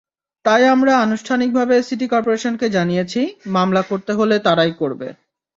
তাই আমরা আনুষ্ঠানিকভাবে সিটি করপোরেশনকে জানিয়েছি, মামলা করতে হলে তারাই করবে।